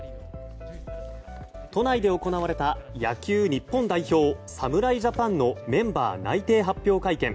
都内で行われた野球日本代表、侍ジャパンのメンバー内定発表会見。